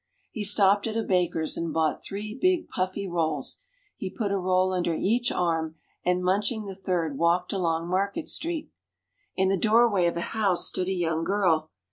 He stopped at a baker's, and bought three big puffy rolls. He put a roll under each arm, and, munching the third, walked along Market Street. In the doorway of a house, stood a young girl.